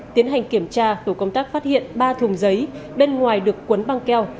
tiến hành kiểm tra tổ công tác phát hiện ba thùng giấy bên ngoài được cuốn băng keo